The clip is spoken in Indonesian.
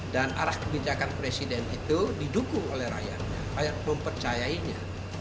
dan arah kebijakan presiden itu didukung oleh rakyat rakyat mempercayainya